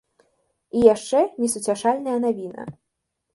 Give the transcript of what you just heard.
І яшчэ несуцяшальная навіна.